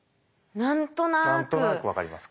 何となく分かりますか。